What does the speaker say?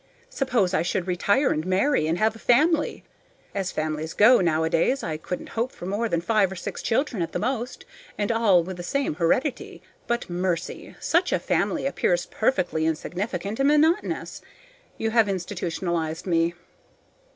Suppose I should retire and marry and have a family. As families go nowadays, I couldn't hope for more than five or six children at the most, and all with the same heredity. But, mercy! such a family appears perfectly insignificant and monotonous. You have institutionalized me.